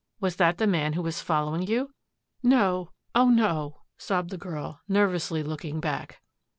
"Was that the man who was following you?" "No oh, no," sobbed the girl nervously looking back.